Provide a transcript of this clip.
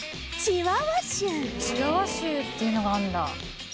チワワ州っていうのがあるんだ。